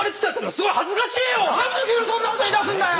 何でそんなこと言いだすんだよ。